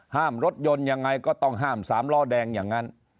รถยนต์ยังไงก็ต้องห้าม๓ล้อแดงอย่างนั้น